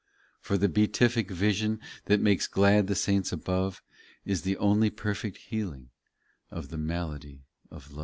For the beatific vision That makes glad the saints above, Is the only perfect healing Of the malady of love.